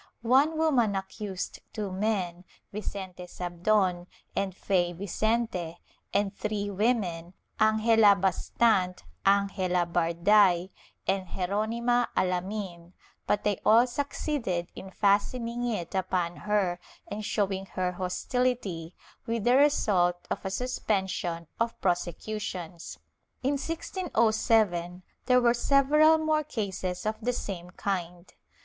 One woman accused two men, Vicente Sabdon and Fay Vicente and three women, Angela Bastant, Angela Barday and Ceronima Alamin, but they all succeeded in fastening it upon her and showing her hostility, with the result of a sus pension of prosecutions. In 1607 there were several more cases of the same kind.